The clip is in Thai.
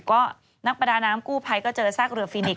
ก็นักประดาน้ำกู้ภัยก็เจอซากเรือฟินิก